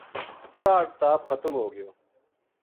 کاہڈ تاپ ختم ہو گیو